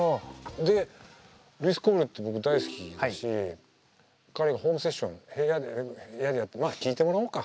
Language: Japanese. でＬｏｕｉｓＣｏｌｅって僕大好きだし彼ホームセッション部屋でやってまあ聴いてもらおうか。